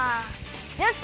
よし！